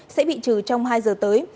sẽ bị trừ trong hai giờ tới